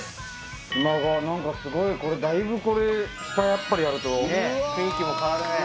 居間が何かすごいこれだいぶこれ下やっぱりやると。ねえ雰囲気も変わるね。